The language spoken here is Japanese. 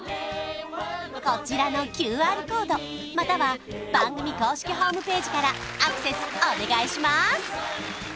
こちらのＱＲコードまたは番組公式ホームページからアクセスお願いします！